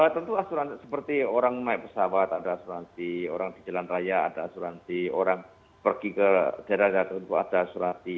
tentu asuransi seperti orang naik pesawat ada asuransi orang di jalan raya ada asuransi orang pergi ke daerah daerah tentu ada asuransi